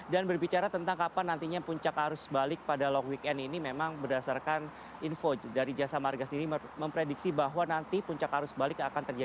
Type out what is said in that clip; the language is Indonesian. dan berbicara tentang kapan nantinya puncak arus balik pada long weekend ini memang berdasarkan info dari jasa marga sendiri memprediksi bahwa nanti puncak arus balik akan berjalan